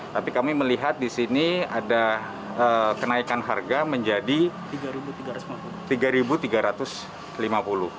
tapi kami melihat di sini ada kenaikan harga menjadi rp tiga tiga ratus lima puluh